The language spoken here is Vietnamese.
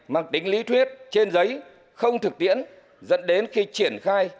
mang tính lý thuyết trên giấy không thực tiễn dẫn đến khi triển khai